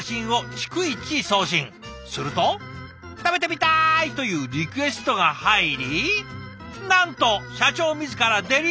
すると「食べてみたい！」というリクエストが入りなんと社長自らデリバリー！